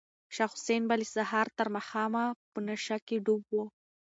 شاه حسین به له سهاره تر ماښامه په نشه کې ډوب و.